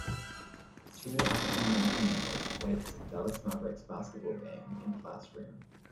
Two AfricanAmerican males wakes a Dallas Mavericks basketball game in classroom.